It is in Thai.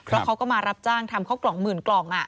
เพราะเขาก็มารับจ้างทำข้าวกล่องหมื่นกล่อง